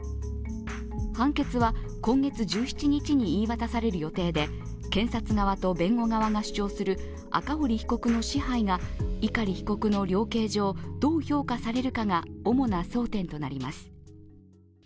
判決は今月１７日に言い渡される予定で検察側と弁護側が主張する赤堀被告の支配が碇被告の量刑上、どう評価されるかが主な争点となります。